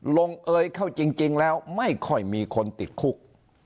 ลงเอยเข้าจริงแล้วไม่ค่อยมีคนติดคุก